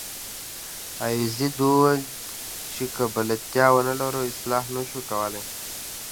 ابوزید وویل چې که بلدتیا ونه لرو اصلاح نه شو کولای.